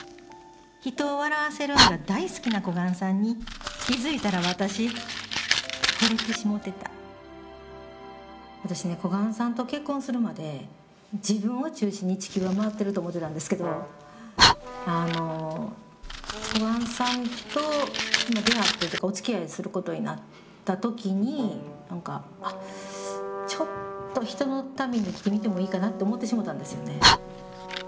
人を笑わせるんが大好きな小雁さんに気付いたら私惚れてしもてた私ね小雁さんと結婚するまで自分を中心に地球は回ってると思ってたんですけどあの小雁さんと出会ってというかおつきあいすることになった時に何か「あっちょっと人のために生きてみてもいいかな」って思ってしもたんですよね。